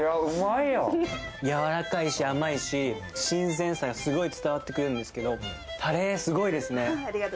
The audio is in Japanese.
やわらかいし甘いし、新鮮さがすごい伝わってくるんですけど、タレ、すごいですね。